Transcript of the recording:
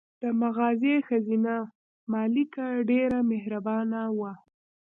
د مغازې ښځینه مالکه ډېره مهربانه وه.